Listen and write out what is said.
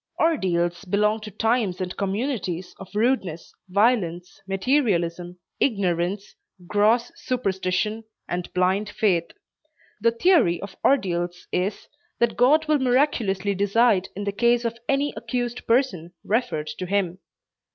Ordeals belong to times and communities of rudeness, violence, materialism, ignorance, gross superstition and blind faith. The theory of ordeals is, that God will miraculously decide in the case of any accused person referred to Him.